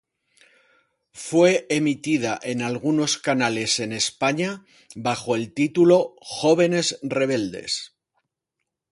Fue emitida en algunos canales en España bajo el titulo Jóvenes rebeldes.